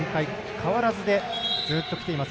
変わらずでずっときています。